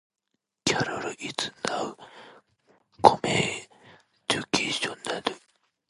Carroll is now coeducational.